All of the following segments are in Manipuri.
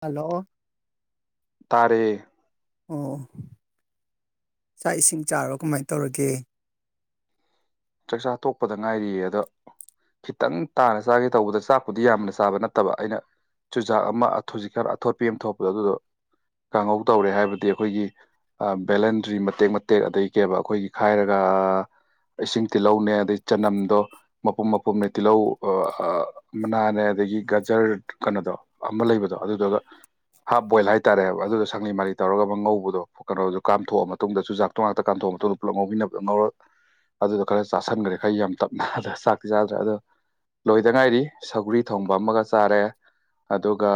ꯍꯂꯣ ꯇꯔꯦ ꯑꯣ ꯆꯥꯛ ꯏꯁꯤꯡ ꯆꯥꯔꯣ ꯀꯃꯥꯏ ꯇꯧꯔꯒꯦ ꯆꯥꯛꯆꯥ ꯇ ꯊꯣꯛꯄꯗ ꯉꯥꯏꯔꯤꯌꯦ ꯑꯗꯣ ꯈꯤꯇꯪ ꯇꯥꯅ ꯆꯥꯒꯦ ꯇꯧꯕꯗ ꯆꯥꯛꯄꯨꯗꯤ ꯌꯥꯝꯅ ꯆꯥꯕ ꯅꯠꯇꯕ ꯑꯩꯅ ꯆꯨꯖꯥꯛ ꯑꯃ ꯑꯊꯖꯤ ꯈꯔ ꯑꯊꯣꯠꯄꯤ ꯑꯃ ꯊꯣꯛꯄꯗꯣ ꯑꯗꯨꯗꯣ ꯀꯥꯡꯍꯧ ꯇꯧꯔꯦ ꯍꯥꯏꯕꯗꯤ ꯑꯩꯈꯣꯏꯒꯤ ꯕꯦꯂꯦꯟꯗ꯭ꯔꯤ ꯃꯇꯦꯛ ꯃꯇꯦꯛ ꯑꯗꯗꯒꯤ ꯀꯦꯕ ꯑꯩꯈꯣꯏꯒꯤ ꯈꯥꯏꯔꯒ ꯏꯁꯤꯡ ꯇꯤꯜꯍꯧꯅꯦ ꯑꯗꯩ ꯆꯅꯝꯗꯣ ꯃꯄꯨꯝ ꯃꯄꯨꯝꯅꯦ ꯇꯤꯜꯍꯧ ꯃꯅꯥꯅꯦ ꯑꯗꯒꯤ ꯒꯖꯔ ꯀꯩꯅꯣꯗꯣ ꯑꯃ ꯂꯩꯕꯗꯣ ꯑꯗꯨꯗꯨꯒ ꯍꯥꯞ ꯕꯣꯏꯜ ꯍꯥꯏꯇꯥꯔꯦꯕ ꯑꯗꯨꯗ ꯁꯪꯂꯤ ꯃꯥꯔꯤ ꯇꯧꯔꯒ ꯑꯃ ꯉꯉꯧꯕꯗꯣ ꯀꯩꯅꯣꯗꯣ ꯀꯥꯝꯊꯣꯛꯑ ꯃꯇꯨꯡꯗꯁꯨꯖꯥꯛꯇꯣ ꯉꯥꯛꯇ ꯀꯥꯝꯊꯣꯛꯑꯦ ꯇꯣ ꯑꯗꯨꯗ ꯈꯔ ꯆꯥꯥꯁꯟꯈ꯭ꯔꯦ ꯈꯔ ꯌꯥꯝ ꯇꯞꯅ ꯑ ꯆꯥꯛꯇꯤ ꯆꯥꯗ꯭ꯔꯦ ꯑꯗꯣ ꯂꯣꯏꯗ ꯉꯥꯏꯔꯤ ꯁꯒꯔꯤ ꯊꯣꯡꯕ ꯑꯃꯒ ꯆꯥꯔꯦ ꯑꯗꯨꯒ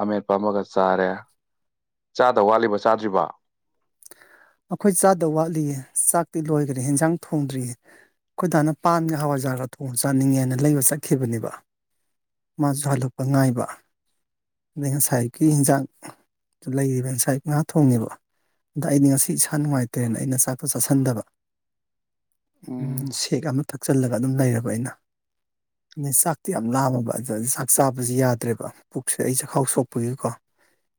ꯑꯃꯤꯠꯄ ꯑꯃꯒ ꯆꯥꯔꯦ ꯆꯥꯗ ꯋꯥꯠꯂꯤꯕ ꯆꯥꯗ꯭ꯔꯤꯕ ꯑꯩꯈꯣꯏ ꯆꯥꯗꯕ ꯋꯥꯠꯂꯤꯌꯦ ꯆꯥꯛꯇꯤ ꯂꯣꯏꯈ꯭ꯔꯦ ꯌꯦꯟꯖꯥꯡ ꯊꯣꯡꯗ꯭ꯔꯤꯌꯦ ꯑꯩꯈꯣꯏꯗꯥꯅ ꯄꯥꯟꯒꯤ ꯍꯋꯥꯏꯖꯥꯔꯒ ꯊꯣꯡ ꯆꯥꯅꯤꯡꯉꯦꯅ ꯂꯩꯕ ꯆꯠꯈꯤꯕꯅꯦꯕ ꯃꯥꯁꯨ ꯍꯜꯂꯛꯄ ꯉꯥꯏꯕ ꯑꯗꯩ ꯉꯁꯥꯏꯒꯤ ꯍꯤꯟꯖꯥꯡ ꯂꯩꯔꯤꯕ ꯉꯁꯥꯏ ꯉꯍꯥ ꯊꯣꯡꯅꯦꯕ ꯑꯗ ꯑꯩꯗꯤ ꯉꯁꯤ ꯐ ꯏꯁꯥ ꯅꯨꯡꯉꯥꯏꯇ꯭ꯔꯦꯅ ꯑꯩꯅ ꯆꯥꯛꯇꯣ ꯆꯥꯥꯁꯟꯗꯕ ꯎ ꯎꯝ ꯁꯦꯛ ꯑꯃ ꯊꯛ ꯆꯜꯂꯒ ꯑꯗꯨꯝ ꯂꯩꯔꯕ ꯑꯩꯅ ꯅ ꯆꯥꯛꯇꯤ ꯌꯥꯝ ꯂꯥꯝꯃꯕ ꯑꯗꯨ ꯆꯥꯛ ꯆꯥꯕꯕꯁꯤ ꯌꯥꯗ꯭ꯔꯦꯕ ꯄꯨꯛꯁꯦ ꯑꯩ ꯆꯈꯥꯎ ꯁꯣꯛꯄꯒꯤꯀꯣ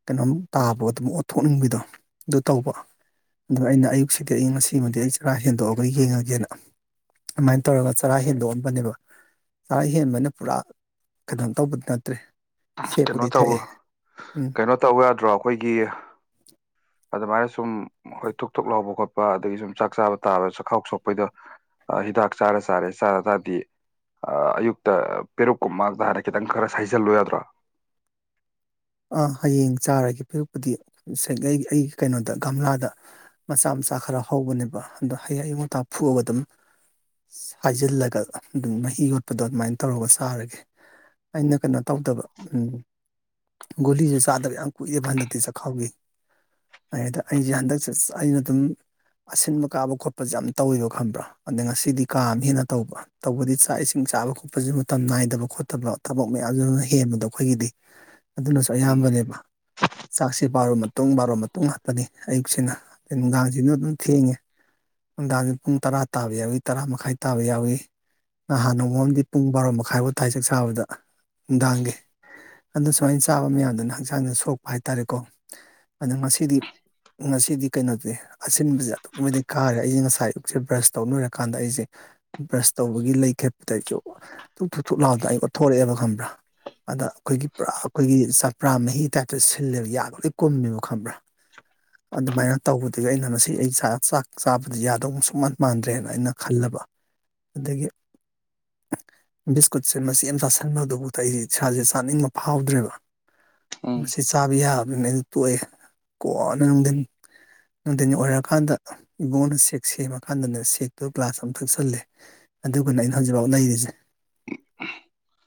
ꯀꯩꯅꯣꯝ ꯇꯥꯕ ꯑꯗꯨꯝ ꯑꯣꯠꯊꯣꯛꯅꯤꯡꯕꯗꯣ ꯑꯗꯨ ꯇꯧꯕ ꯑꯗꯨ ꯑꯩꯅ ꯑꯌꯨꯛꯁꯤꯗꯤ ꯑꯩꯌ ꯉꯁꯤꯃꯗꯤ ꯑꯩ ꯆꯔꯥ ꯍꯦꯟꯗꯣꯛꯑꯒ ꯌꯦꯡꯉꯒꯦꯅ ꯑꯗꯨꯃꯥꯏꯅ ꯇꯧꯔꯒ ꯆꯔꯥ ꯍꯦꯟꯗꯣꯛꯑꯟꯕꯅꯦꯕ ꯆꯔ ꯍꯦꯟꯕꯅ ꯄꯨꯔꯥ ꯀꯩꯅꯣ ꯇꯧꯕꯗꯤ ꯅꯠꯇ꯭ꯔꯦ ꯀꯩꯅꯣ ꯁꯦꯛꯄꯨꯗꯤ ꯇꯧ ꯊꯛꯑꯦ ꯎꯝ ꯀꯩꯅꯣ ꯇꯧ ꯌꯥꯗ꯭ꯔꯣ ꯑꯩꯈꯣꯏꯒꯤ ꯑꯗꯨꯃꯥꯏꯅ ꯁꯨꯝ ꯍꯈꯣꯏ ꯊꯨꯛ ꯊꯣꯛ ꯂꯥꯎꯕ ꯈꯣꯠꯄ ꯑꯗꯒꯤ ꯁꯨꯝ ꯆꯥꯛ ꯆꯥꯕ ꯇꯥꯕ ꯆꯥꯛꯈꯥꯎ ꯁꯣꯛꯄꯩꯗ ꯍꯤꯗꯥꯛ ꯆꯥꯔ ꯆꯥꯔꯦ ꯆꯥꯔ ꯇꯥꯗꯤ ꯑꯌꯨꯛꯇ ꯄꯦꯔꯨꯛꯀꯨꯝ ꯃꯗ ꯍꯥꯏꯥꯟꯔ ꯈꯤꯇꯪ ꯈꯔ ꯁꯥꯏꯖꯜꯂꯨ ꯌꯥꯗ꯭ꯔꯣ ꯍꯌꯦꯡ ꯆꯥꯔꯒꯦ ꯄꯤꯔꯛꯄꯨꯗꯤ ꯑꯩ ꯑꯩꯒꯤ ꯀꯩꯅꯣꯗ ꯒꯝꯂꯥꯗ ꯃꯆꯥ ꯃꯥꯛ ꯈꯔ ꯍꯧꯕꯅꯦꯕ ꯑꯗꯣ ꯍꯌꯦꯌꯨꯇꯥꯥꯛ ꯐꯨꯑꯒ ꯑꯗꯨꯝ ꯍꯥꯏꯖꯤꯜꯂꯒ ꯑꯗꯨꯝ ꯃꯍꯤ ꯌꯣꯠꯄꯗꯣ ꯑꯗꯨꯃꯥꯏꯅ ꯇꯧꯔꯒ ꯁꯥꯔꯒꯦ ꯑꯩꯅ ꯀꯩꯅꯣ ꯇꯧꯗꯕ ꯎꯝ ꯒꯣꯂꯤꯁꯦ ꯆꯥꯗꯕ ꯌꯥꯝ ꯀꯨꯏꯗꯦꯕ ꯍꯟꯗꯛꯇꯦ ꯆꯈꯥꯎꯒꯤ ꯗ ꯑꯩꯁꯦ ꯍꯟꯗꯛꯁꯦ ꯑꯩꯅ ꯑꯗꯨꯝ ꯑꯁꯤꯟꯕ ꯀꯥꯕ ꯈꯣꯠꯄꯁꯦ ꯌꯥꯝ ꯇꯧꯋꯦꯕ ꯈꯪꯕ꯭ꯔꯥ ꯑꯗ ꯉꯁꯤꯗꯤ ꯀꯥ ꯑꯃ ꯍꯦꯟꯅ ꯇꯧꯕ ꯇꯧꯕꯗꯤ ꯆꯥꯛ ꯏꯁꯤꯡ ꯆꯥꯕ ꯈꯣꯠꯄꯁꯨ ꯃꯇꯝ ꯅꯥꯏꯗꯕ ꯈꯣꯠꯇꯕ ꯊꯕꯛ ꯃꯌꯥꯝꯁꯤꯅ ꯍꯦꯟꯕꯗꯣ ꯑꯩꯈꯣꯏꯒꯤꯗꯤ ꯑꯗꯨꯅꯁꯨ ꯎꯝ ꯑꯌꯥꯝꯕꯅꯦꯕ ꯆꯥꯛꯁꯦ ꯄꯥꯔ ꯃꯇꯨꯡ ꯄꯥꯔ ꯃꯇꯨꯡ ꯉꯥꯛꯇꯅꯤ ꯑꯌꯨꯛꯁꯤꯅ ꯑꯩ ꯅꯨꯡꯗꯥꯡꯁꯤꯅ ꯑꯗꯨꯝ ꯊꯦꯡꯉꯦ ꯒꯥ ꯄꯨꯡ ꯇꯔꯥ ꯇꯥꯕ ꯌꯥꯎꯏꯤ ꯇꯔꯥ ꯃꯈꯥꯏ ꯇꯥꯕ ꯌꯥꯎꯏ ꯅꯍꯥꯟ ꯑꯃꯨꯛꯝꯗꯤ ꯄꯨꯡ ꯕꯥꯔꯣ ꯃꯈꯥꯏꯐꯥꯎ ꯊꯥꯏꯖꯛ ꯁꯥꯕꯗ ꯅꯨꯡꯗꯥꯡꯒꯤ ꯁꯨꯃꯥꯏꯅ ꯆꯥꯕ ꯃꯌꯥꯝꯗꯨꯅ ꯍꯛꯆꯥꯡꯗ ꯁꯣꯛꯄ ꯍꯥꯏꯇꯥꯔꯦꯀꯣ ꯑꯗꯣ ꯉꯁꯤꯗꯤ ꯉꯁꯤꯗꯤ ꯀꯩꯅꯣꯗꯤ ꯑꯁꯤꯟꯕꯁꯦ ꯑꯗꯨꯛꯀꯤ ꯃꯇꯤꯛ ꯀꯥꯔꯦ ꯑꯩꯁꯦ ꯉꯁꯥꯏ ꯑꯌꯨꯛꯁꯦ ꯕ꯭ꯔꯁ ꯇꯧ ꯂꯣꯏꯔꯀꯥꯟꯗ ꯑꯩꯁꯦ ꯕ꯭ꯔꯁ ꯇꯧꯕꯒꯤ ꯂꯩ ꯈꯦꯠꯄꯗꯁꯨ ꯊꯨ ꯊꯨ ꯊꯨꯨꯞ ꯂꯥꯎꯗꯅ ꯑꯩ ꯀꯣꯊꯣꯔꯛꯑꯦꯕ ꯈꯪꯕ꯭ꯔꯥ ꯑꯗ ꯑꯩꯈꯣꯏꯒꯤ ꯄꯨꯔꯥ ꯑꯩꯈꯣꯏꯒꯤ ꯆꯥꯄ꯭ꯔꯥ ꯃꯍꯤ ꯇꯥꯏꯞꯇ ꯁꯤꯜꯂꯦꯕ ꯌꯥꯒ ꯂꯣꯏ ꯀꯨꯝꯃꯦꯕꯣ ꯈꯪꯕ꯭ꯔꯥ ꯑꯗꯨꯃꯥꯏꯅ ꯇꯧꯕꯗꯒꯤ ꯑꯩꯅ ꯉꯁꯤ ꯑꯩ ꯆ ꯆꯥꯛ ꯆꯥꯕꯗꯤ ꯌꯥꯗꯧ ꯁꯨꯡꯃꯥꯟ ꯃꯥꯟꯗ꯭ꯔꯦꯅ ꯑꯩꯅ ꯈꯜꯂꯕ ꯑꯗꯒꯤ ꯕꯤꯁꯀꯨꯠꯁꯦ ꯃꯆꯦꯠ ꯑꯃ ꯆꯥꯁꯟꯕ ꯑꯗꯨꯕꯨ ꯑꯩꯁꯦ ꯏꯁꯥꯁꯦ ꯆꯥꯅꯤꯡꯕ ꯐꯥꯎꯗ꯭ꯔꯦꯕ ꯎꯝ ꯃꯁꯤ ꯆꯥꯕ ꯌꯥꯕ ꯃꯦꯔꯤ ꯇꯣꯍꯦ ꯀꯣꯟꯅ ꯅꯨꯡꯗꯤꯟ ꯅꯨꯡꯊꯤꯟ ꯑꯣꯏꯔꯛꯑꯀꯥꯟꯗ ꯏꯕꯨꯡꯉꯅ ꯁꯦꯛ ꯁꯦꯝꯃꯀꯥꯟꯗꯅꯦ ꯁꯦꯛꯇꯨ ꯒ꯭ꯂꯥꯁ ꯑꯃꯝ ꯊꯛꯆꯜꯂꯦ ꯑꯗꯨꯒꯅ ꯑꯩꯅ ꯍꯧꯖꯤꯛ ꯐꯥꯎ ꯂꯩꯔꯤꯁꯦ [unintelligible]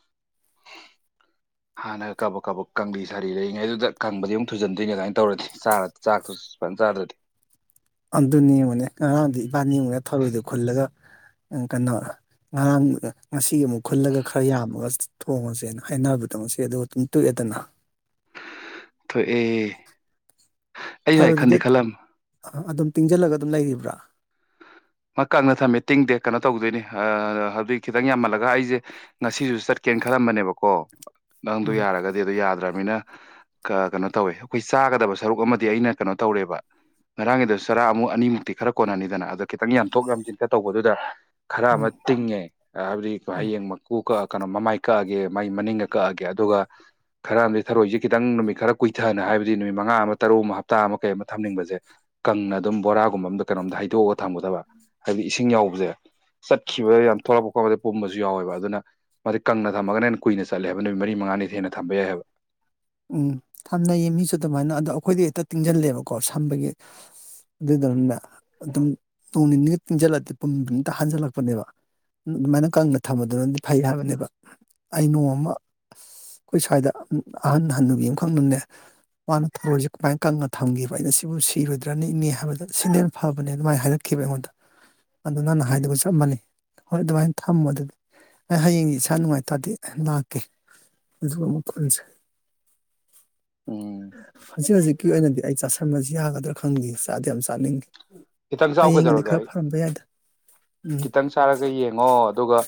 ꯍꯥꯟꯅꯒ ꯀꯕꯥꯛ ꯀꯕꯣꯛ ꯀꯪꯂꯤ ꯁꯥꯔꯤ ꯂꯩꯏꯉꯩ ꯑꯗꯨꯗ ꯀꯪꯕꯗꯤ ꯑꯃꯨꯛ ꯊꯨꯖꯟꯗꯣꯏ ꯑꯗꯨꯃꯥꯏꯅ ꯇꯧꯔꯗꯤ ꯆꯥꯟꯅꯕ ꯆꯥꯛꯇꯨꯗ ꯆꯥꯛꯆꯥ ꯗꯔꯗꯤ ꯑꯗꯨꯅꯦ ꯌꯦꯡꯉꯨꯅꯦ ꯉꯔꯥꯡꯗꯣ ꯏꯕꯥꯅꯤ ꯌꯦꯡꯉꯨꯅꯦ ꯊꯧꯔꯣꯏꯗꯣ ꯈꯨꯜꯂꯒ ꯀꯩꯅꯣ ꯉꯔꯥꯡꯒꯤꯒ ꯉꯁꯤ ꯑꯇꯤ ꯑꯃꯨꯛ ꯈꯨꯜꯂꯒ ꯈꯔ ꯌꯥꯝꯃꯒ ꯊꯣꯡꯉꯁꯦꯅ ꯍꯥꯏꯅꯕꯗꯣ ꯃꯁꯤ ꯑꯗꯨ ꯑꯗꯨꯝ ꯇꯨꯏꯑꯦꯗꯅ ꯇꯣꯛ ꯑꯦ ꯐꯔꯦ ꯑꯗꯨꯗꯤ ꯑꯗꯨꯝ ꯇꯤꯡꯁꯤꯜꯂꯒ ꯑꯗꯨꯝ ꯂꯩꯔꯤꯕ꯭ꯔꯥ ꯀꯪꯅ ꯊꯝꯃꯦ ꯇꯤꯡꯃꯦ ꯀꯩꯅꯣ ꯇꯧꯗꯣꯏꯅꯤ ꯍꯥꯏꯗꯤ ꯈꯤꯇꯪ ꯌꯥꯝꯃꯜꯂꯒ ꯑꯩꯁꯦ ꯉꯁꯤꯁꯨ ꯆꯠꯀꯦ ꯀꯦꯅ ꯈꯜꯂꯝꯕꯅꯦꯕꯀꯣ ꯅꯪꯗꯨ ꯎꯝ ꯌꯥꯔꯒꯗꯤ ꯑꯗꯨ ꯌꯥꯗ꯭ꯔ ꯁꯨꯃꯥꯏꯅ ꯀꯩꯅꯣ ꯇꯧꯋꯦ ꯑꯩꯈꯣꯏ ꯆꯥꯒꯗꯕ ꯁꯔꯨꯛ ꯑꯃꯗꯤ ꯑꯩꯅ ꯀꯩꯅꯣ ꯇꯧꯔꯦꯕ ꯉꯔꯥꯡꯒꯤꯗ ꯆꯔꯥ ꯑꯃꯨꯛ ꯑꯅꯤꯃꯨꯛꯇꯤ ꯈꯔ ꯀꯣꯟꯅꯅꯤꯗꯅ ꯑꯗꯥ ꯈꯤꯇꯪ ꯌꯥꯝꯊꯣꯛ ꯌꯥꯝꯁꯤꯟꯊ ꯇꯧꯕꯗꯨꯗ ꯈꯔ ꯎꯝ ꯑꯃ ꯇꯤꯡꯉꯦ ꯍꯥꯏꯕꯗꯤ ꯎꯝ ꯍꯌꯦꯡ ꯃꯀꯣꯛ ꯀꯩꯅꯣ ꯃꯃꯥꯏ ꯀꯛꯑꯒꯦ ꯃꯥꯏ ꯃꯅꯤꯡꯒ ꯀꯛꯑꯒꯦ ꯑꯗꯨꯒ ꯈꯔ ꯑꯃꯗꯤ ꯊꯔꯣꯏꯁꯦ ꯈꯤꯇꯪ ꯅꯨꯃꯤꯠ ꯈꯔ ꯀꯨꯏꯊꯅꯤ ꯍꯥꯏꯕꯗꯤ ꯅꯨꯃꯤꯠ ꯃꯉꯥ ꯑꯃ ꯇꯔꯨꯛ ꯑꯃ ꯍꯞꯇꯥ ꯑꯃ ꯀꯩ ꯑꯃ ꯊꯝꯅꯤꯡꯕꯁꯦ ꯀꯪꯅ ꯑꯗꯨꯝ ꯕꯣꯔꯥꯒꯨꯝꯕ ꯑꯝꯗ ꯀꯩꯅꯣꯝꯇ ꯍꯩꯗꯣꯛꯑꯒ ꯊꯝꯒꯗꯕ ꯍꯥꯏꯕꯗꯤ ꯏꯁꯤꯡ ꯌꯥꯎꯕꯁꯦ ꯆꯠꯈꯤꯕꯗ ꯌꯥꯝ ꯊꯣꯛꯂꯛꯄ ꯈꯣꯠꯄꯗ ꯄꯨꯝꯕꯁꯨ ꯌꯥꯎꯋꯦꯕ ꯑꯗꯨꯅ ꯃꯥ ꯀꯪꯅ ꯊꯝꯃꯒꯅꯦꯟꯅ ꯀꯨꯏꯅ ꯆꯠꯂꯦ ꯍꯥꯏꯕ ꯅꯨꯃꯤꯠ ꯃꯔꯤ ꯃꯉꯥ ꯉꯥꯅꯤ ꯊꯦꯅ ꯊꯝꯕ ꯌꯥꯏ ꯍꯥꯏꯕ ꯎꯝ ꯁꯝꯅꯩꯌꯦ ꯃꯤꯁꯨ ꯑꯗꯨꯃꯥꯏꯅ ꯑꯗꯣ ꯑꯩꯈꯣꯏꯗꯤ ꯍꯦꯛꯇ ꯇꯤꯡꯁꯤꯜꯂꯦꯕꯀꯣ ꯁꯝꯕꯒꯤ ꯑꯗꯨꯗꯨꯅꯤꯅ ꯑꯗꯨꯝ ꯅꯣꯡ ꯅꯤꯅꯤꯒ ꯇꯤꯡꯁꯤꯜꯂꯛꯇꯦ ꯄꯨꯡ ꯛꯇ ꯍꯟꯖꯜꯂꯛꯄꯅꯦꯕ ꯑꯗꯨꯃꯥꯏꯅ ꯀꯪꯅ ꯊꯝꯝꯕꯗꯨꯅꯗꯤ ꯐꯩ ꯍꯥꯏꯕꯅꯦꯕ ꯑꯩ ꯅꯣꯡꯃ ꯑꯩꯈꯣꯏ ꯁ꯭ꯋꯥꯏꯗ ꯑꯍꯟ ꯍꯟꯅꯕꯤ ꯑꯃꯈꯛ ꯅꯅꯦ ꯃꯥꯅ ꯊꯧꯔꯣꯁꯦ ꯀꯃꯥꯏꯅ ꯀꯪꯉ ꯊꯝꯈꯤꯕ ꯑꯩꯅ ꯁꯤꯕꯨ ꯁꯤꯔꯣꯏꯗ꯭ꯔꯅꯤ ꯏꯅꯤ ꯍꯥꯏꯕꯗ ꯁꯤꯅꯅ ꯐꯕꯅꯦ ꯑꯗꯨꯃꯥꯏꯅ ꯍꯥꯏꯅꯛꯈꯤ ꯑꯩꯉꯣꯟꯗ ꯑꯗꯨ ꯅꯪꯅ ꯍꯥꯏꯗꯨꯒ ꯆꯞ ꯃꯥꯟꯅꯤ ꯍꯣꯏ ꯑꯗꯨꯃꯥꯏꯅ ꯊꯝꯃꯣ ꯑꯗꯨꯗꯤ ꯑꯩ ꯍꯌꯦꯡꯗꯤ ꯏꯁꯥ ꯅꯨꯡꯉꯥꯏꯇꯗꯤ ꯂꯥꯛꯀꯦ ꯑꯗꯨꯒ ꯑꯃꯨ ꯄꯨꯟꯁꯦ ꯎꯝ ꯍꯧꯖꯤꯛ ꯍꯧꯖꯤꯛꯀꯤ ꯑꯣꯏꯅꯗꯤ ꯑꯩ ꯆꯥꯁꯟꯕꯁꯤ ꯌꯥꯒꯗ꯭ꯔꯥ ꯈꯪꯗꯦ ꯆꯥꯗꯤ ꯌꯥꯝ ꯆꯥꯅꯤꯡꯗꯦ ꯈꯤꯇꯪ ꯆꯥꯎ ꯀꯩꯗꯧꯔꯒꯦ ꯑꯩ ꯎꯝ ꯈꯤꯇꯪ ꯆꯥꯔꯒ ꯌꯦꯡꯉꯣ ꯑꯗꯨꯒ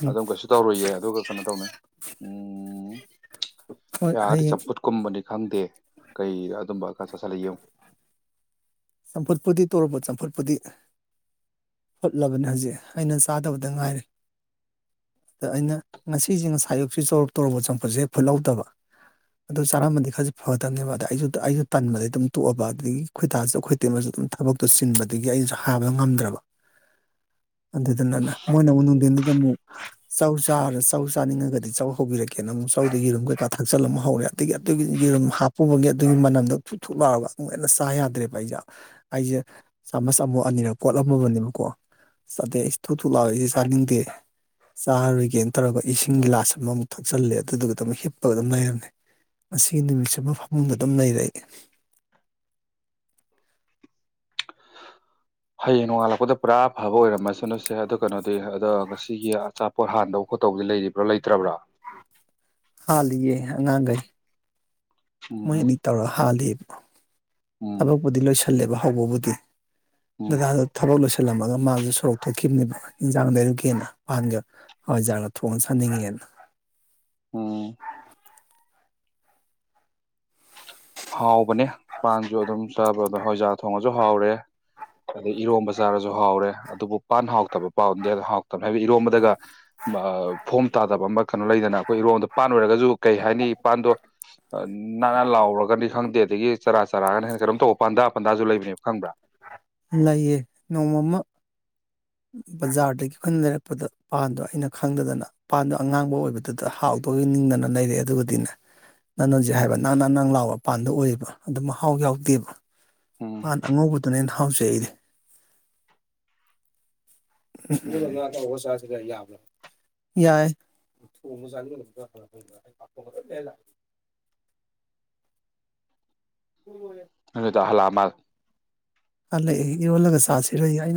ꯎꯝ ꯑꯗꯨꯝ ꯀꯩꯁꯨ ꯇꯧꯔꯨꯏꯌꯦ ꯑꯗꯨꯒ ꯀꯩꯅꯣ ꯇꯧꯅꯤ ꯎꯝ ꯍꯣꯏ ꯌꯥꯔ ꯍꯌꯦꯡ ꯆꯄꯠ ꯀꯨꯝꯕꯅꯤ ꯈꯪꯗꯦ ꯀꯩ ꯑꯗꯨꯝꯕ ꯈ ꯆꯠꯁꯤꯜꯂ ꯌꯦꯡꯉꯨ ꯆꯝꯐꯨꯠꯄꯗꯤ ꯇꯧꯔꯄ ꯆꯝꯐꯨꯠꯄꯗꯤ ꯍꯨꯠꯂꯕꯅꯦ ꯍꯧꯖꯤꯛ ꯑꯩꯅ ꯆꯥꯗꯕꯗ ꯉꯥꯏꯔꯦ ꯑꯗ ꯑꯩꯅ ꯉꯁꯤꯁꯦ ꯉꯁꯥꯏꯌꯨꯛꯁꯤ ꯆꯧꯔ ꯇꯧꯔꯄ ꯆꯪꯄꯠꯁꯦ ꯐꯨꯠꯍꯧꯗꯕ ꯑꯗꯨ ꯆꯥꯔꯝꯕꯗꯤ ꯈꯔꯁꯨꯦ ꯐꯒꯗꯕꯅꯦꯕ ꯑ ꯑꯩꯁꯨ ꯑꯩꯁꯨ ꯇꯟꯕꯗꯒꯤꯩ ꯑꯗꯨꯝ ꯇꯣꯛꯑꯕ ꯑꯗꯒꯤ ꯈꯣꯏꯇꯥꯁꯨ ꯑꯩꯈꯣꯏ ꯑꯗꯨꯝ ꯊꯕꯛꯇꯣ ꯆꯤꯟꯕꯗꯒꯤ ꯑꯩꯅꯁꯨ ꯍꯥꯏꯕ ꯉꯝꯗ꯭ꯔꯕ ꯑꯗꯨꯗꯨꯅꯅ ꯃꯣꯏꯅ ꯑꯃꯛ ꯅꯨꯡꯊꯤꯟꯗꯨꯗ ꯑꯃꯨꯛ ꯆꯧ ꯆꯥꯔ ꯆꯧ ꯆꯥꯅꯤꯡꯉꯒꯗꯤ ꯆꯧ ꯍꯧꯕꯤꯔꯛꯀꯦꯅ ꯑꯃꯨꯛ ꯗ ꯌꯦꯔꯨꯝ ꯀꯩꯀꯥ ꯊꯛꯆꯜꯂꯝ ꯑꯃ ꯍꯧꯔꯦ ꯑꯗꯒꯤ ꯑꯗꯨꯒꯤ ꯌꯦꯔꯨꯝ ꯍꯥꯞꯄꯨꯕꯒꯤ ꯑꯗꯨꯒꯤ ꯃꯅꯝꯗꯣꯨꯊꯣꯛꯂꯥꯎꯑꯒ ꯆꯥ ꯌꯥꯗ꯭ꯔꯦꯕ ꯑꯩꯁꯦ ꯑꯩꯁꯦ ꯆꯥꯃꯁ ꯑꯃꯨꯛ ꯑꯅꯤꯔꯛ ꯀꯣꯠꯂꯝꯃꯕꯅꯦꯕꯀꯣ ꯆꯗꯦ ꯏꯁꯇꯣ ꯊꯨꯂꯁꯦ ꯆꯥꯗꯡꯗꯤ ꯆꯥꯔꯣꯏꯒꯦꯅ ꯇꯧꯔꯒ ꯏꯁꯤꯡꯒꯤ ꯂꯥꯁ ꯑꯃꯃꯨꯛ ꯊꯛꯆꯜꯂꯦ ꯑꯗꯨꯗꯨꯒ ꯑꯗꯨꯝ ꯍꯤꯞꯄꯒ ꯑꯗꯨꯝ ꯂꯩꯔꯝꯃꯦ ꯃꯁꯤꯒꯤ ꯅꯨꯃꯤꯠꯁꯤ ꯑꯃ ꯐꯃꯨꯡꯗ ꯑꯗꯨꯝ ꯂꯩꯔꯛ ꯍꯌꯦꯡ ꯅꯣꯡꯉꯥꯜꯂꯛꯄꯗ ꯄꯨꯔꯥ ꯐꯕ ꯑꯣꯏꯔꯝꯃꯁꯅꯁꯦ ꯑꯗꯨ ꯀꯩꯅꯣꯗꯤ ꯑꯗꯣ ꯉꯁꯤꯒꯤ ꯑꯆꯥꯄꯣꯠ ꯍꯥꯟꯗꯧꯠ ꯇꯧꯗꯤ ꯂꯩꯔꯤꯕ꯭ꯔꯥ ꯂꯩꯇ꯭ꯔꯕ꯭ꯔꯥ ꯍꯥꯥꯂꯤꯌꯦ ꯑꯉꯥꯡꯒꯩ ꯃꯣꯏ ꯎꯝ ꯅꯤ ꯇꯧꯔ ꯍꯥꯂꯤ ꯎꯝ ꯊꯕꯛꯄꯨꯗꯤ ꯂꯣꯏꯁꯤꯜꯂꯦꯕ ꯍꯧꯕꯕꯨꯗꯤ ꯎꯝ ꯎꯝ ꯑꯗꯨꯒ ꯊꯕꯛ ꯂ ꯊꯜꯂꯝꯃꯒ ꯃꯥꯁꯨ ꯁꯣꯔꯣꯛ ꯊꯣꯛꯈꯤꯕꯅꯦꯕ ꯏꯟꯖꯥꯡ ꯂꯩꯔꯨꯛꯀꯦꯅ ꯄꯍꯥꯟꯒ ꯍꯋꯥꯏꯖꯥꯔꯒ ꯊꯣꯡꯅ ꯁꯥꯅꯤꯡꯉꯦꯅ [unintelligible] ꯎꯝ ꯍꯥꯎꯕꯅꯦ ꯄꯥꯟꯁꯨ ꯑꯗꯨꯝ ꯆꯥꯕ ꯑꯗ ꯍꯣꯏꯖꯥ ꯊꯣꯡꯉꯁꯨ ꯍꯥꯎꯔꯦ ꯑꯗꯩ ꯏꯔꯣꯝꯕ ꯆꯥꯔꯁꯨ ꯍꯥꯎꯔꯦ ꯑꯗꯨꯕꯨ ꯄꯥꯟ ꯍꯥꯎꯇꯕ ꯄꯥꯎꯗꯤ ꯑ ꯍꯥꯎꯇꯕ ꯍꯥꯏꯕꯗꯤ ꯏꯔꯣꯝꯕꯗꯒ [inaudible] ꯐꯣꯝ ꯇꯥꯗꯕ ꯑꯃ ꯀꯩꯅꯣ ꯂꯩꯗꯅ ꯑꯩꯈꯣꯏ ꯏꯔꯣꯟꯗꯣ ꯄꯥꯟ ꯑꯣꯏꯔꯒꯁꯨ ꯀꯩ ꯍꯥꯏꯅꯤ ꯏ ꯄꯥꯟꯗꯣ ꯅꯥꯟꯅ ꯂꯥꯎꯔꯒ ꯅꯤ ꯈꯪꯗꯦ ꯑꯗꯒꯤ ꯆꯔꯥ ꯆꯔꯥꯒꯅ ꯍꯦ ꯀꯩꯅꯣ ꯇꯧꯕ ꯄꯟꯗꯥ ꯄꯟꯗꯥꯁꯨ ꯂꯩꯕꯅꯦꯕ ꯈꯪꯕ꯭ꯔꯥ ꯂꯩꯌꯦ ꯅꯣꯡꯃ ꯑꯃ ꯕꯖꯥꯔꯗꯒꯤ ꯑꯩꯈꯣꯏꯅ ꯂꯩꯔꯛꯄꯗ ꯄꯥꯟꯗꯣ ꯑꯩꯅ ꯈꯪꯗꯗꯅ ꯄꯥꯟꯗꯣ ꯑꯉꯥꯡꯕ ꯑꯣꯏꯕꯗꯨꯗ ꯍꯥꯎꯗꯒꯤ ꯅꯤꯡꯗꯅ ꯂꯩꯔꯛꯑꯦ ꯑꯗꯨꯕꯨꯗꯤꯅꯦ ꯅꯪꯅꯣꯟꯖꯤꯛ ꯍꯥꯏꯕ ꯅꯪ ꯅ ꯅꯪ ꯂꯥꯎꯕ ꯃꯄꯥꯟꯗ ꯑꯣꯏꯌꯦꯕ ꯑꯗꯨ ꯃꯍꯥꯎ ꯌꯥꯎꯗꯦꯕ ꯎꯝ ꯄ ꯑꯉꯧꯕꯗꯨꯅꯦ ꯊ ꯊꯁ ꯑꯩꯗꯤ ꯑꯗꯨꯅꯤ ꯑꯗꯨꯒ ꯌꯥꯕ꯭ꯔꯥ ꯌꯥꯏ [unintelligible] ꯑꯗꯨꯗ ꯑꯃ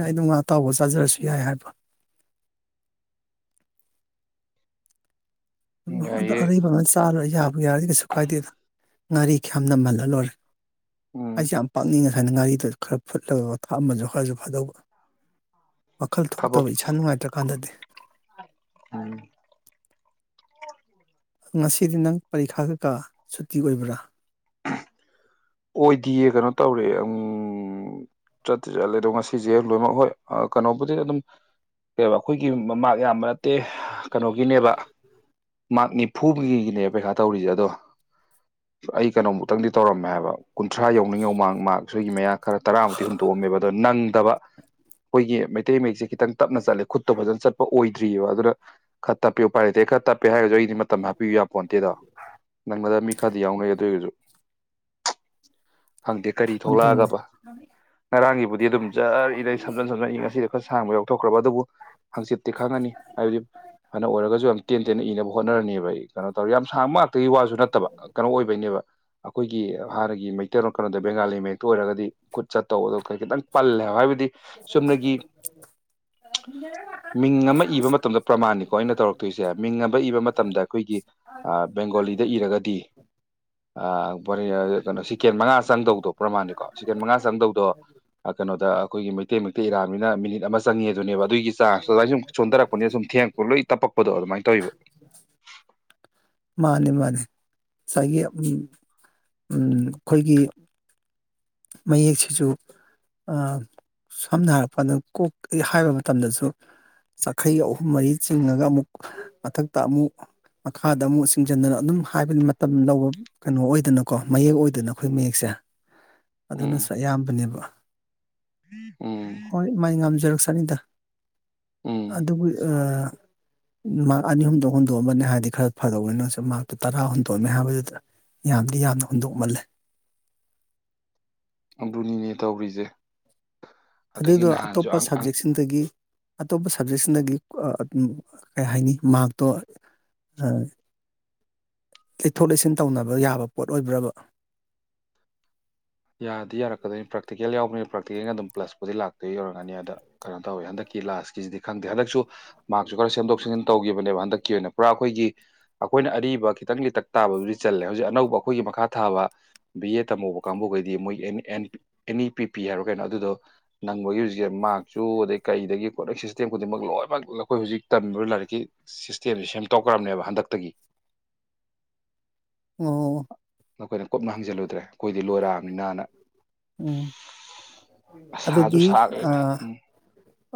ꯑꯩꯝ ꯑꯇꯥꯎꯕ ꯆꯥꯖꯔꯁꯨ ꯌꯥꯏ ꯍꯥꯏꯕ ꯎꯗ ꯌꯥꯏꯌꯦ ꯑꯕ ꯆꯥꯏ ꯌꯥꯕ ꯌꯥꯔꯗꯤ ꯀꯩꯁꯨ ꯀꯥꯏꯗꯦꯗ ꯉꯥꯔꯤ ꯈꯌꯥꯝ ꯅꯝꯃꯜꯍ ꯂꯣꯏꯔꯦ ꯎꯝ ꯑꯩꯁ ꯌꯥꯝ ꯄꯥꯛꯅꯤꯡꯉꯁ ꯍꯥꯏꯅ ꯉꯥꯔꯤꯗꯨ ꯈꯔ ꯐꯨꯠꯂꯒ ꯄꯣꯊꯥ ꯑꯃꯁꯁꯨ ꯈꯔꯁꯨ ꯐꯥꯗꯧꯕ ꯋꯥꯈꯜ ꯊꯕꯛ ꯊꯣꯛꯇꯕ ꯏꯁꯥ ꯅꯨꯡꯉꯥꯏꯇ꯭ꯔꯀꯥꯟꯗꯗꯤ ꯎꯝ ꯉꯁꯤꯗꯤ ꯅꯪ ꯄꯔꯤꯈꯥꯒꯀꯥ ꯁꯨꯇꯤ ꯑꯣꯏꯕ꯭ꯔꯥ ꯑꯣꯏꯗꯤꯌꯦ ꯀꯩꯅꯣ ꯇꯧꯔꯦ ꯎꯝ ꯆꯠꯇ ꯆꯠꯂꯦ ꯑꯗꯣ ꯉꯁꯤꯁꯦ ꯂꯣꯏꯅꯃꯛ ꯍꯣꯏ ꯀꯩꯅꯣꯕꯨꯗꯤ ꯑꯗꯨꯝ ꯀ ꯑꯩꯈꯣꯏꯒꯤ ꯃ ꯃꯥꯛ ꯌꯥꯝꯕ ꯅꯠꯇꯦ ꯀꯩꯅꯣꯒꯤꯅꯦꯕ ꯃꯥ ꯅꯤꯐꯨꯒꯤꯒꯤꯅꯦ ꯄꯩꯈꯥ ꯇꯧꯔꯤꯁꯦ ꯑꯗꯣ ꯑꯩ ꯀꯩꯅꯣꯃꯨꯛꯇꯪꯗꯤ ꯇꯧꯔꯝꯃꯦ ꯍꯥꯏꯕ ꯀꯨꯟꯊ꯭ꯔꯥ ꯌꯧꯅꯤꯡꯉꯧ ꯃꯃꯥꯡ ꯃꯥ ꯁꯣꯏꯒꯤ ꯃꯌꯥ ꯈꯔ ꯇꯔꯥꯃꯨꯛꯇꯤ ꯍꯨꯟꯇꯣꯛꯑꯝꯃꯦꯕ ꯑꯗꯣ ꯅꯪꯗꯕ [inaudible] ꯑꯩꯈꯣꯏꯒꯤ ꯃꯩꯇꯩ ꯃꯌꯦꯛꯁꯦ ꯈꯤꯇꯪ ꯇꯞꯅ ꯆꯠꯂꯦ ꯈꯨꯠꯇꯣ ꯐꯖꯅ ꯆꯠꯄ ꯑꯣꯏꯗ꯭ꯔꯤꯑꯕ ꯑꯗꯨꯅ ꯈꯔ ꯇꯞꯄꯤꯌꯨ ꯄꯥꯏꯔꯇꯦ ꯈꯔ ꯇꯞꯄꯦ ꯍꯥꯏꯔꯁꯨ ꯑꯩꯗꯤ ꯃꯇꯝ ꯍꯥꯞꯄꯤꯌꯨ ꯌꯥꯄꯣꯟꯇꯦꯗꯣ ꯅꯪꯅꯗ ꯃꯤ ꯈꯔꯗꯤ ꯌꯥꯎꯅ ꯑꯗꯨ ꯑꯣꯏꯔꯁꯨ ꯍꯪꯗꯦ ꯀꯔꯤ ꯑꯗꯨꯅꯤ ꯊꯣꯛꯂꯛꯑꯒꯕ ꯉꯔꯥꯡꯒꯤꯕꯨꯗꯤ ꯑꯗꯨꯝ ꯖꯔ ꯏꯔꯩ ꯁꯝꯖꯟ ꯁꯝꯖꯟꯏ ꯉꯁꯤꯗ ꯈꯔ ꯁꯥꯡꯕ ꯌꯥꯎꯊꯣꯛꯈ꯭ꯔꯕ ꯑꯗꯨꯕꯨ ꯍꯪꯆꯤꯠꯇꯤ ꯈꯪꯉꯅꯤ ꯍꯥꯏꯕꯗꯤ ꯐꯅ ꯑꯣꯏꯔꯒꯁꯨ ꯌꯥꯝ ꯇꯦꯟ ꯇꯦꯟꯅ ꯏꯅꯕ ꯍꯣꯠꯅꯔꯅꯦꯕ ꯑꯩ ꯀꯩꯅꯣ ꯇꯧꯔ ꯌꯥꯝ ꯁꯥꯡꯕ ꯉꯥꯛꯇꯒꯤ ꯋꯥꯁꯨ ꯅꯠꯇꯕ ꯀꯩꯅꯣ ꯑꯣꯏꯕꯩꯅꯦꯕ ꯑꯩꯈꯣꯏ ꯍꯥꯟꯅꯒꯤ ꯃꯩꯇꯩ ꯀꯩꯅꯣꯗ ꯕꯦꯡꯒꯥꯂꯤ ꯃꯩꯛꯇ ꯑꯣꯏꯔꯒꯗꯤ ꯈꯨꯠ ꯆꯠꯇꯧꯕꯗꯣ ꯈꯤꯇꯪ ꯄꯜꯂꯦꯕ ꯍꯥꯏꯕꯗꯤ ꯆꯨꯝꯅꯒꯤ ꯃꯤꯡ ꯑꯃ ꯏꯕ ꯃꯇꯝꯗ ꯄ꯭ꯔꯃꯥꯟꯅꯤꯀꯣ ꯑꯩꯅ ꯇꯧꯔꯛꯇꯣꯏꯁꯦ ꯃꯤꯡ ꯑꯃ ꯏꯕ ꯃꯇꯝꯗ ꯑꯩꯈꯣꯏꯒꯤ ꯕꯦꯡꯒꯣꯂꯤꯗ ꯏꯔꯒꯗꯤꯔ ꯁꯤꯀꯦꯟ ꯃꯉꯥ ꯆꯪꯗꯧꯗꯣ ꯄ꯭ꯔꯃꯥꯅꯤꯀꯣ ꯁꯤꯀꯦꯟ ꯃꯉꯥ ꯆꯪꯗꯧꯗꯣ ꯀꯩꯅꯣꯗ ꯑꯩꯈꯣꯏꯒꯤ ꯃꯩꯇꯩ ꯃꯩꯇꯩ ꯌꯥꯅꯤꯅ ꯃꯤꯅꯤꯠ ꯑꯃ ꯆꯪꯉꯦ ꯑꯗꯨꯅꯦꯕ ꯑꯗꯨꯒꯤ ꯆꯥꯡꯁꯇꯣ ꯑꯗꯨꯃꯥꯏ ꯁꯨꯝ ꯁꯣꯟꯊꯔꯛꯄꯅꯤꯅ ꯁꯨꯝ ꯊꯦꯡꯉꯛꯄ ꯂꯣꯏ ꯇꯞꯄꯛꯄꯗꯣ ꯑꯗꯨꯃꯥꯏꯅ ꯇꯧꯋꯤꯕ ꯃꯥꯅꯦ ꯃꯥꯅꯦ ꯉꯁꯥꯏꯒꯤ ꯑꯩꯈꯣꯏꯒꯤ ꯃꯌꯦꯛꯁꯤꯁꯨ ꯁꯝꯅ ꯍꯥꯏꯔꯛꯄꯗ ꯀꯣꯛ ꯍꯥꯏꯕ ꯃꯇꯝꯗꯁꯨ ꯆꯈꯩꯒ ꯑꯍꯨꯝ ꯃꯔꯤ ꯆꯤꯡꯉꯒ ꯑꯃꯨꯛ ꯃꯊꯛꯇ ꯑꯃꯨꯛ ꯃꯈꯥꯗ ꯑꯃꯨꯛ ꯆꯤꯡꯁꯤꯟꯗꯅ ꯑꯗꯨꯝ ꯍꯥꯏꯕꯗꯤ ꯃꯇꯝ ꯂꯧꯕ ꯀꯩꯅꯣ ꯑꯣꯏꯗꯅꯀꯣ ꯃꯌꯦꯛ ꯑꯣꯏꯗꯅ ꯑꯩꯈꯣꯏ ꯃꯌꯦꯛꯁꯦ [unintelligible] ꯑꯗꯨꯅꯁꯨ ꯎꯝ ꯑꯌꯥꯝꯕꯅꯦꯕ ꯎꯝ ꯍꯣꯏ ꯃꯥꯏ ꯉꯝꯖꯔꯛꯁꯅꯤꯗ ꯎꯝ ꯑꯗꯨꯕꯨ ꯃꯥ ꯑꯅꯤ ꯑꯍꯨꯝꯗꯛ ꯍꯨꯟꯗꯣꯛꯑꯝꯕꯅꯦ ꯍꯥꯏꯕꯗꯤ ꯈꯔ ꯐꯔꯧꯅꯤꯅꯁꯨ ꯃꯥꯔꯛꯇꯨ ꯇꯔꯥ ꯍꯨꯟꯗꯣꯛꯑꯃꯦ ꯍꯥꯏꯕꯗꯨꯗ ꯌꯥꯝꯗꯗꯤ ꯌꯥꯝꯅ ꯍꯨꯟꯗꯣꯛꯃꯜꯂꯦ ꯑꯕꯨꯨꯅꯤꯅꯦ ꯇꯧꯔꯤꯁꯦ ꯑꯗꯒꯤ ꯑꯗꯨꯗꯣ ꯅꯍꯥꯟꯁꯨ ꯑꯇꯣꯞꯄ ꯁꯕꯖꯦꯛꯁꯤꯡꯗꯒꯤ ꯑꯇꯣꯞꯄ ꯁꯕꯖꯦꯛꯁꯤꯗꯒꯤ ꯑꯗꯨꯝ ꯀꯩ ꯍꯥꯏꯅꯤ ꯃꯥꯔꯛꯇꯣ ꯑ ꯂꯩꯊꯣꯛ ꯂꯩꯁꯤꯟ ꯇꯧꯅꯕ ꯌꯥꯕ ꯄꯣꯠ ꯑꯣꯏꯕ꯭ꯔꯕ ꯌꯥꯔꯗꯤ ꯌꯥꯔꯛꯀꯗꯣꯏꯅꯤ ꯄ꯭ꯔꯦꯇꯤꯀꯦꯜ ꯌꯥꯎꯕ ꯄ꯭ꯔꯥꯛꯇꯤꯀꯦꯜ ꯑꯗꯨꯝ ꯄ꯭ꯂꯁꯄꯨꯗꯤ ꯂꯥꯛꯇꯣꯏ ꯌꯧꯔꯅꯤ ꯑꯗ ꯀꯩꯅꯣ ꯇꯧꯋꯤ ꯍꯟꯗꯛꯀꯤ ꯂꯥꯁꯀꯤꯁꯤꯗꯤ ꯈꯪꯗꯦ ꯍꯟꯗꯛꯁꯨ ꯃꯍꯥꯛꯁꯨ ꯈꯔ ꯁꯦꯝꯗꯣꯛ ꯁꯦꯝꯖꯤꯟ ꯇꯧꯈꯤꯕꯅꯦꯕ ꯍꯟꯗꯛꯀꯤ ꯑꯣꯏꯅ ꯄꯨꯔꯥ ꯑꯩꯈꯣꯏꯒꯤ ꯑꯩꯈꯣꯏꯅ ꯑꯔꯤꯕ ꯈꯤꯇꯪ ꯂꯤꯇꯛ ꯇꯥꯕꯗꯨꯗꯤ ꯆꯠꯦ ꯍꯧꯖꯤꯛ ꯑꯅꯧꯕ ꯑꯩꯈꯣꯏꯒꯤ ꯃꯈꯥ ꯊꯥꯕ ꯕꯤ ꯑꯦ ꯇꯝꯍꯧꯕ ꯀꯥꯡꯕꯨꯈꯩ ꯗꯤ ꯃꯣꯏ N N E P P ꯍꯥꯏꯕꯔꯥ ꯀꯩꯅꯣ ꯑꯗꯨꯗꯣ ꯅꯪꯕꯒꯤ ꯍꯧꯖꯤꯛꯁꯦ ꯃꯥꯛꯁꯨ ꯑꯗꯩ ꯀꯩꯗꯒꯤ ꯄꯣꯠꯅ ꯁꯤꯁꯇꯦꯝ ꯈꯨꯗꯤꯡꯃꯛ ꯂꯣꯏꯅꯃꯛ ꯑꯩꯈꯣꯏ ꯍꯧꯖꯤꯛ ꯇꯝꯃꯤꯕ ꯂꯥꯏꯔꯤꯛꯀꯤ ꯁꯤꯁꯇꯦꯝꯁꯦ ꯁꯦꯝꯗꯣꯛꯈ꯭ꯔꯕꯅꯦꯕ ꯍꯟꯗꯛꯇꯒꯤ ꯑꯣ ꯅꯈꯣꯏꯅ ꯀꯨꯞꯅ ꯍꯪꯖꯤꯜꯂꯨꯗ꯭ꯔꯦ ꯑꯩꯈꯣꯏꯗꯤ ꯂꯣꯏꯔꯥ ꯃꯤꯅꯥꯅ ꯎꯝ ꯁꯥꯁꯨ ꯑꯗꯨꯗꯤ ꯁꯥꯈ꯭ꯔꯦꯕ ꯎꯝ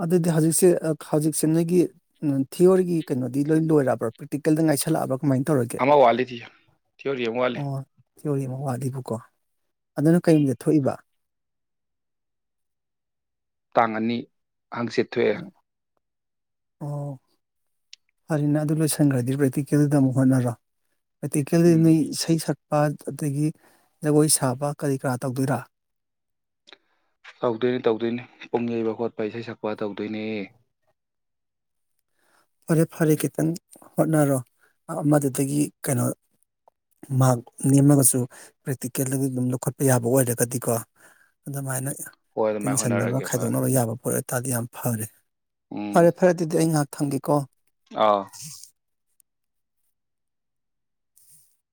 ꯑꯗꯨꯗꯤ ꯍꯧꯖꯤꯛꯁꯦ ꯍꯧꯖꯤꯛꯁꯦ ꯅꯣꯏꯒꯤ ꯊꯤꯑꯣꯔꯤꯒꯤ ꯀꯩꯅꯣꯗꯤ ꯂꯣꯏ ꯂꯣꯏꯔꯕ꯭ꯔꯥ ꯄ꯭ꯔꯦꯛꯇꯤꯀꯦꯜꯗ ꯉꯥꯏꯁꯜꯂꯛꯑꯕ ꯀꯃꯥꯏꯅ ꯇꯧꯔꯒꯦ ꯑꯃ ꯋꯥꯠꯂꯤꯗꯤ ꯊꯤꯑꯣꯔꯤ ꯑꯃ ꯋꯥꯠꯂꯤ ꯑꯣ ꯊꯤꯑꯣꯔꯤꯒꯤ ꯑꯃ ꯋꯥꯠꯂꯤꯕꯨꯀꯣ ꯑꯗꯨꯅ ꯀꯔꯤ ꯅꯨꯃꯤꯠꯗ ꯊꯣꯛꯏꯕ ꯇꯥꯡ ꯑꯅꯤ ꯍꯪꯆꯤꯠ ꯊꯣꯛꯑꯦ ꯑꯣ ꯐꯔꯤꯅ ꯑꯗꯨ ꯂꯣꯏꯁꯟꯈ꯭ꯔꯗꯤ ꯄ꯭ꯔꯦꯛꯇꯤꯀꯦꯜꯗꯨꯗ ꯑꯃꯨꯛ ꯍꯣꯠꯅꯔ ꯄ꯭ꯔꯦꯛꯇꯤꯀꯦꯜꯗꯨ ꯎꯝ ꯅꯣꯏ ꯏꯁꯩ ꯁꯛ ꯑꯗꯒꯤ ꯖꯒꯣꯏ ꯁꯥꯕ ꯀꯔꯤ ꯀꯔꯥ ꯇꯧꯗꯣꯏꯔ ꯇꯧꯗꯣꯏꯅꯤ ꯇꯧꯗꯣꯏꯅꯤ ꯄꯨꯡ ꯌꯩꯕ ꯈꯣꯠꯄ ꯏꯁꯩ ꯁꯛꯄ ꯇꯧꯗꯣꯏꯅꯦ ꯐꯔꯦ ꯐꯔꯦ ꯈꯤꯇꯪ ꯍꯣꯠꯅꯔꯣ ꯑꯃꯗꯨꯗꯒꯤ ꯀꯩꯅꯣ ꯃꯥꯔꯛ ꯅꯦꯝꯃꯒꯁꯨ ꯄ꯭ꯔꯦꯛꯇꯤꯀꯦꯜꯒ ꯑꯗꯨꯝ ꯂꯧꯈꯠꯄ ꯌꯥꯕ ꯑꯣꯏꯔꯒꯗꯤꯀꯣ ꯑꯗꯨꯃꯥꯏꯅ ꯍꯣꯏ ꯑꯗꯨꯃꯥꯏꯅ ꯇꯤꯟꯁꯤꯟꯅꯕ ꯍꯣꯠꯅꯔꯛꯑꯒꯦ ꯐꯔꯦ ꯈꯥꯏꯗꯣꯛꯅꯕ ꯌꯥꯕ ꯄꯣꯠ ꯇꯥꯗꯤ ꯌꯥꯝ ꯐꯔꯦ ꯐꯔꯦ ꯐꯔꯦ ꯑꯗꯨꯗꯤ ꯑꯩ ꯉꯥꯏꯍꯥꯛ ꯊꯪꯒꯦꯀꯣ ꯑꯥꯎ